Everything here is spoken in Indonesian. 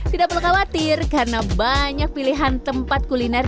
tidak perlu khawatir karena banyak pilihan tempat kuliner